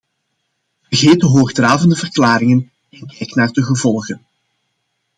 Vergeet de hoogdravende verklaringen en kijk naar de gevolgen.